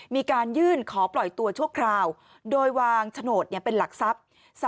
มีการยื่นขอปล่อยตัวชั่วคราวโดยวางโฉนดเป็นหลักทรัพย์